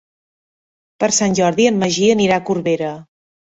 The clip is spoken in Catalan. Per Sant Jordi en Magí anirà a Corbera.